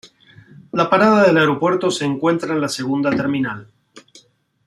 La parada del aeropuerto se encuentra en la segunda terminal.